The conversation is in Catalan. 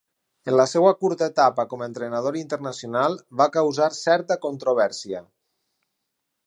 En la seva curta etapa com entrenador internacional, va causar certa controvèrsia.